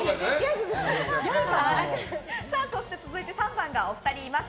続いて３番がお二人います。